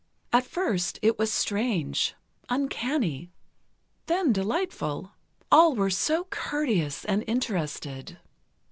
At first, it was strange, uncanny, then delightful. All were so courteous and interested.